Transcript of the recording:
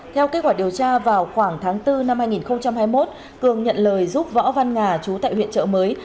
theo kết quả điều tra vào khoảng tháng bốn năm hai nghìn hai mươi một cường nhận lời giúp võ văn nga chú tại huyện trợ mới